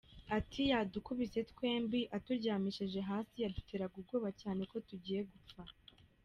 Ati “Yadukubise twembi aturyamishije hasi, yaduteraga ubwoba cyane ko tugiye gupfa.